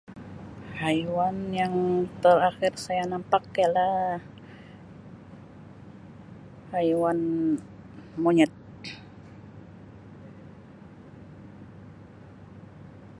Haiwan yang terkakhir saya nampak ialah haiwan monyet.